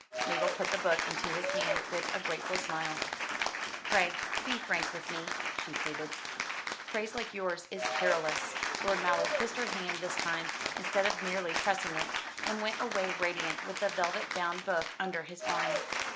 Mabel put the book into his hand with a grateful smile. "Pray be frank with me," she pleaded. "Praise like yours is perilous." Lord Mallow kissed her hand this time, instead of merely pressing it, and went away radiant, with the velvet bound book under his arm.